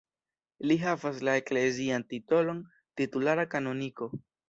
Li havas la eklezian titolon titulara kanoniko.